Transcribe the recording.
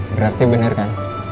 berarti bener kan